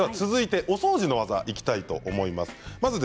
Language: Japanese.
続いてはお掃除の技にいきたいと思います。